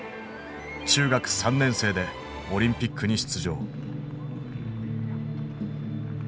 中学３年生でオリンピックに出場。